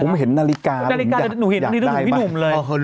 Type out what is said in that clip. ผมเห็นนาฬิกาอยากได้บ้าง